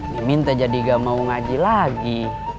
mimin teh jadi gak mau ngaji lagi